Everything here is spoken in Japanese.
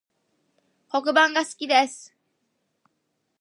黒板が好きです